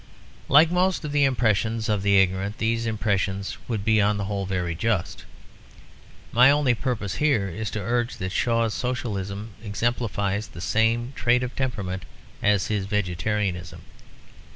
Like most of the impressions of the ignorant, these impressions would be on the whole very just. My only purpose here is to urge that Shaw's Socialism exemplifies the same trait of temperament as his vegetarianism.